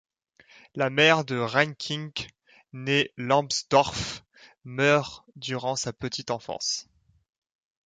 La mère de Reinkingk, née Lambsdorff, meurt durant sa petite enfance.